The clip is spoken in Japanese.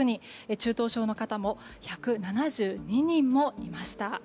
中等症の方も１７２人もいました。